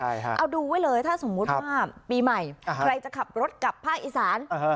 เอาดูไว้เลยถ้าสมมุติว่าปีใหม่ใครจะขับรถกลับภาคอีสาน